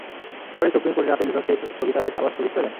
পরে সুপ্রিম কোর্টের আপিল বিভাগ সেই স্থগিতাদেশ আবার স্থগিত করে দেন।